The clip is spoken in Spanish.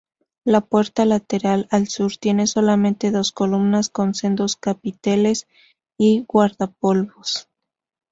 La puerta lateral al sur tiene solamente dos columnas con sendos capiteles y guardapolvos.